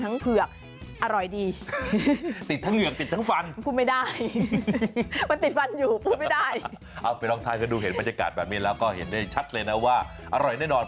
เห็นบรรยากาศแบบนี้แล้วก็เห็นได้ชัดเลยนะว่าอร่อยแน่นอน